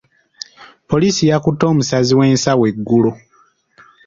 Poliisi yakutte omusazi w'ensawo eggulo.